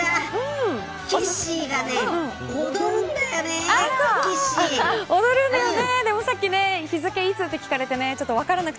岸が踊るんだよね。